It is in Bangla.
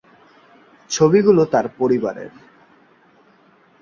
ছবিগুলো তার পরিবারের।